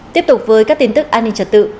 tiếp tục với các tin tức an ninh trật tự